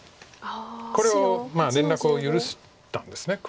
これを連絡を許したんです。